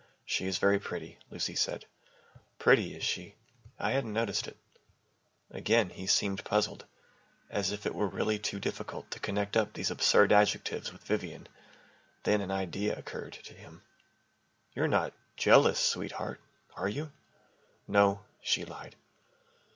"She is very pretty," Lucy said. "Pretty, is she? I hadn't noticed it." Again he seemed puzzled, as if it were really too difficult to connect up these absurd adjectives with Vivian. Then an idea occurred to him. "You're not jealous, sweetheart, are you?" "No," she lied.